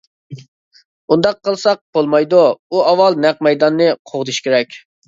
—ئۇنداق قىلسا بولمايدۇ، ئۇ ئاۋۋال نەق مەيداننى قوغدىشى كېرەك.